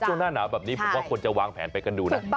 คือตอนหน้าหนาวแบบนี้ควรจะวางแผนไว้กันดูนะ